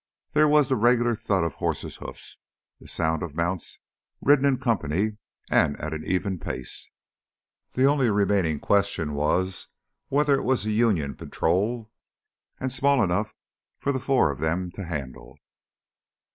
There was the regular thud of horses' hoofs, the sound of mounts ridden in company and at an even pace. The only remaining question was whether it was a Union patrol and small enough for the four of them to handle.